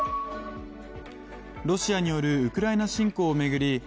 ロシアによるウクライナ侵攻を巡り